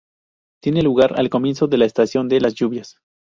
Tiene lugar al comienzo de la estación de las lluvias.